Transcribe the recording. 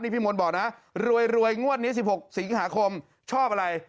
นี่พี่มนต์บอกนะฮะรวยรวยงวดนี้สิบหกสิงหาคมชอบอะไร